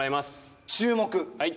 はい。